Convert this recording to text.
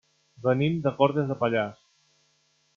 Venim de Cortes de Pallars.